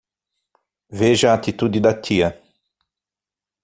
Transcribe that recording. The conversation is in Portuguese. Veja a atitude da tia